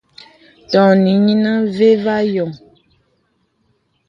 Tɔŋì nìŋì və̄ və a yɔ̄ŋ.